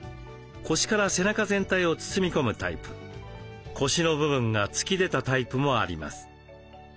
腰から背中全体を包み込むタイプ腰の部分が突き出たタイプもあります。